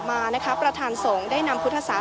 พาคุณผู้ชมไปติดตามบรรยากาศกันที่วัดอรุณราชวรรมหาวิหารค่ะ